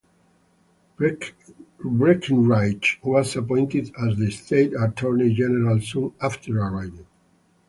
Breckinridge was appointed as the state's attorney general soon after arriving.